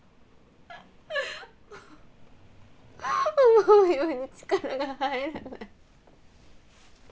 思うように力が入らない。